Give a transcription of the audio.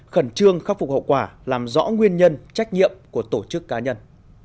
khẩn trương khắc phục hậu quả làm rõ nguyên nhân trách nhiệm của tổ chức cá nhân